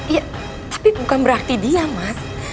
iya tapi bukan berarti dia mas